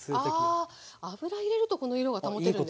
あ油入れるとこの色が保てるんですか。